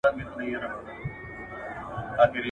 حکومت پر خلکو خپله واکمني ټينګه کړه.